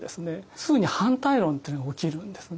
すぐに反対論というのが起きるんですね。